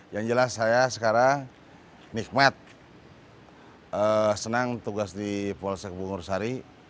yang jelas saya sekarang nikmat senang tugas di polsek bungur sari